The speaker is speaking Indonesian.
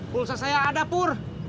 pulsa saya ada pur